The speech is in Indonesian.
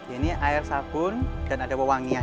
ini air sabun dan ada wawangian